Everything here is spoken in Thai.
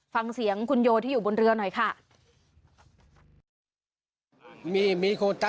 ฟังเสียงคุณโยที่อยู่บนเรือหน่อยค่ะ